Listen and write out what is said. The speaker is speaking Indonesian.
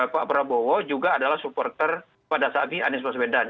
pak prabowo juga adalah supporter pada saat ini anies baswedan